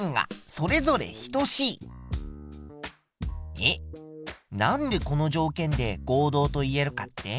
えっなんでこの条件で合同と言えるかって？